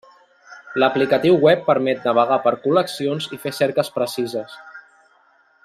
L'aplicatiu web permet navegar per col·leccions i fer cerques precises.